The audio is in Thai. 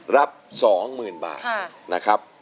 รับ๒๐๐๐๐บาท